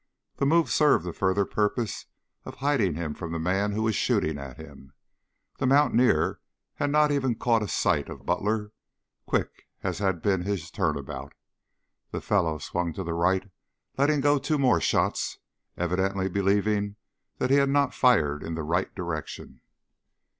The move served the further purpose of hiding him from the man who was shooting at him. The mountaineer had not even caught a sight of Butler, quick as had been his turn about. The fellow swung to the right letting go two more shots, evidently believing that he had not fired in the right direction.